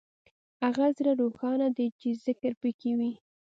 هغه زړه روښانه دی چې ذکر پکې وي.